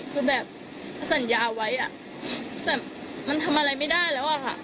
คือแบบสัญญาไว้อ่ะแต่มันทำอะไรไม่ได้แล้วอะค่ะ